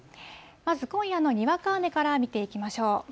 まず今夜のにわか雨から見ていきましょう。